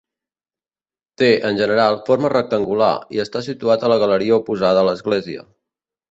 Té, en general, forma rectangular, i està situat a la galeria oposada a l'església.